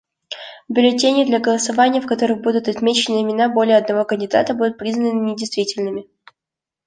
Бюллетени для голосования, в которых будут отмечены имена более одного кандидата, будут признаны недействительными.